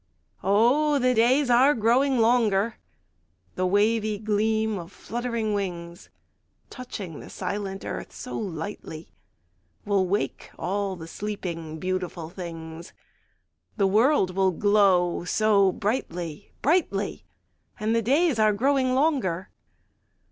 Oh, the days are growing longer, The wavy gleam of fluttering wings, Touching the silent earth so lightly, Will wake all the sleeping, beautiful things, The world will glow so brightly brightly; And the days are growing longer.